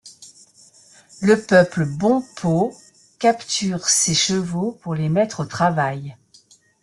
Le peuple Bon-po capture ces chevaux pour les mettre au travail.